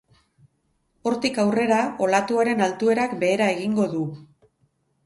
Hortik aurrera, olatuaren altuerak behera egingo du.